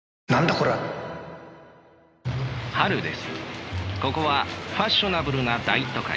ここはファッショナブルな大都会。